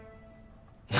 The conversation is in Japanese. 何？